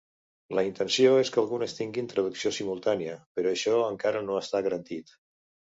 La intenció és que algunes tinguin traducció simultània, però això encara no està garantit.